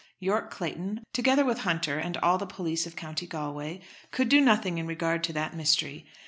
Yorke Clayton, together with Hunter and all the police of County Galway, could do nothing in regard to that mystery.